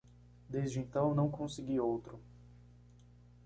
Desde então, não consegui outro.